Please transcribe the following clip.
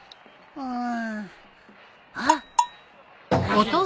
うん。